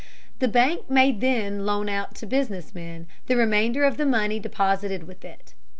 The bank may then loan out to business men the remainder of the money deposited with it.